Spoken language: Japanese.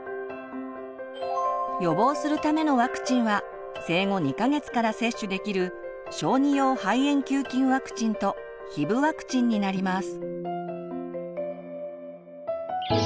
予防するためのワクチンは生後２か月から接種できる小児用肺炎球菌ワクチンとヒブワクチンになります。